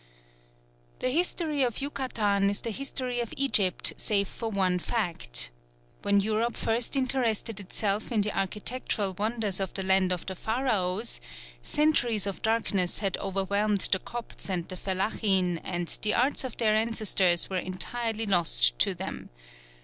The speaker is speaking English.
The history of Yucatan is the history of Egypt save for one fact. When Europe first interested itself in the architectural wonders of the Land of the Pharaohs centuries of darkness had overwhelmed the Copts and the Fellaheen and the arts of their ancestors were entirely lost to them.